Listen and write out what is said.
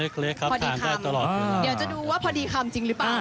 ครับทานได้ตลอดเดี๋ยวจะดูว่าพอดีคำจริงหรือเปล่า